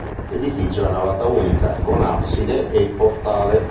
L'edificio è a navata unica con abside e portale.